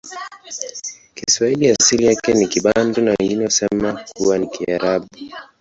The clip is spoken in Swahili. kiswahili asili yake ni kibantu na wengine husema kuwa ni kiarabu